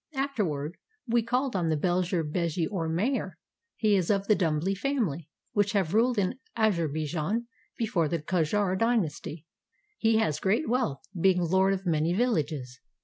Afterward we called on the beglar begi or mayor. He is of the DumbH family, which have ruled in Azerbijan before the Kajar dynasty. He has great wealth, being lord of many villages.